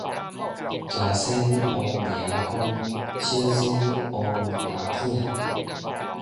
大仙王爺公，小仙王爺囝